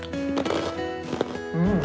うん。